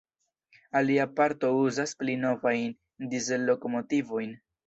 Alia parto uzas pli novajn Dizel-lokomotivojn.